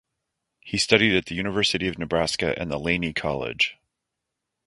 He studied at the University of Nebraska and the Laney College.